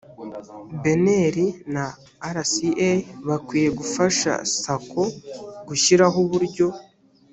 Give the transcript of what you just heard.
bnr na rca bakwiye gufasha saccos gushyiraho uburyo